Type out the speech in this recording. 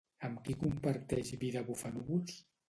Amb qui comparteix vida Bufanúvols?